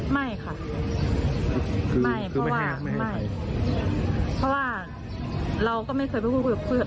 ไม่ค่ะไม่เพราะว่าไม่เพราะว่าเราก็ไม่เคยไปคุยคุยคุย